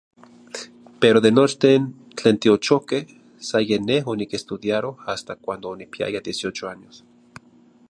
Pero de nochten tlen tiochoque sa ye neh oniquestudiaro hasta cuando onipiyaya dieciocho años.